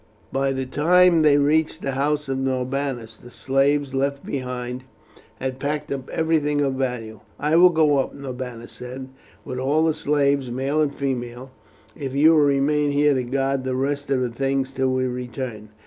By the time they reached the house of Norbanus the slaves left behind had packed up everything of value. "I will go up," Norbanus said, "with all the slaves, male and female, if you will remain here to guard the rest of the things till we return.